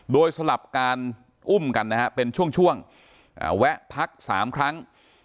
โดยสลับการอุ้มกันนะฮะเป็นช่วงแวะพัก๓ครั้ง